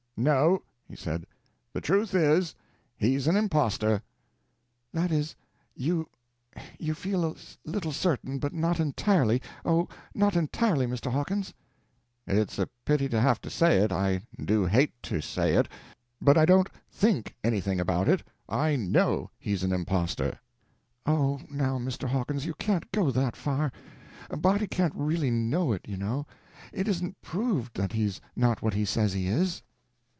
"No," he said, "the truth is, he's an impostor." "That is, you—you feel a little certain, but not entirely—oh, not entirely, Mr. Hawkins!" "It's a pity to have to say it—I do hate to say it, but I don't think anything about it, I know he's an impostor." "Oh, now, Mr. Hawkins, you can't go that far. A body can't really know it, you know. It isn't proved that he's not what he says he is."